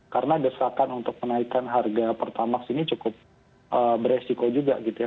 karena desakan untuk kenaikan harga pertamax ini cukup beresiko juga gitu ya